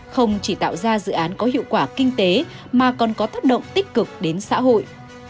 không chỉ tạo ra dự án có hiệu quả kinh tế mà còn có tác động tích cực đến xã hội